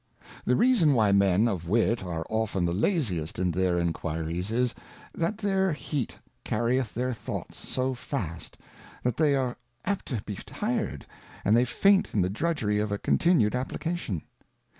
The reason why Men of Wit are often the laziest in their Enquiries is, that their heat carrieth their Thoughts so fast, that they are apt to be tired, and they faint in the drudgery of a continued Application.